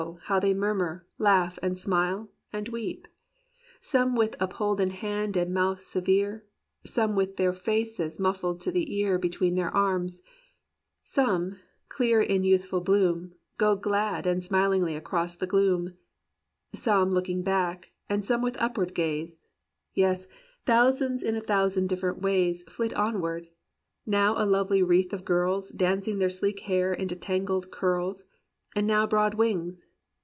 how they murmur, laugh, and smile, and weep: Some with upholden hand and mouth severe; Some with their faces muffled to the ear Between their arms; some, clear in youthful bloom. Go glad and smilingly across the gloom; Some looking back, and some with upward gaze; Yes, thousands in a thousand different ways Flit onward — now a lovely wreath of girls Dancing their sleek hair into tangled curls; And now broad wings.